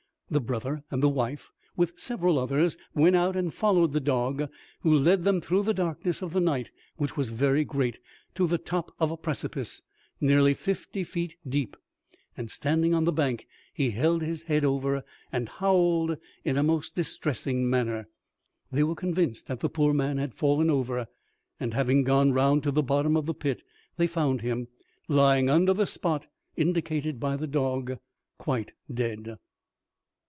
The brother and the wife, with several others, went out and followed the dog, who led them through the darkness of the night, which was very great, to the top of a precipice, nearly fifty feet deep; and standing on the bank, held his head over, and howled in a most distressing manner. They were convinced that the poor man had fallen over; and having gone round to the bottom of the pit, they found him, lying under the spot indicated by the dog, quite dead.